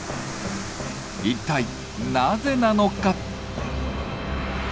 一体なぜなのか？